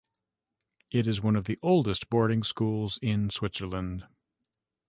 It is one of the oldest boarding schools in Switzerland.